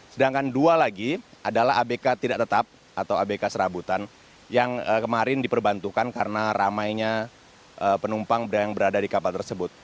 sedangkan dua lagi adalah abk tidak tetap atau abk serabutan yang kemarin diperbantukan karena ramainya penumpang yang berada di kapal tersebut